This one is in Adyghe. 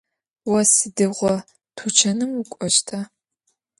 Vo sıdiğo tuçanım vuk'oşta?